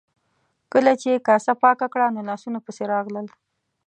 کله چې یې کاسه پاکه کړه نو لاسونو پسې راغلل.